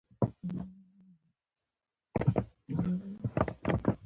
افغانستان کې د زردالو د پرمختګ لپاره هڅې روانې دي.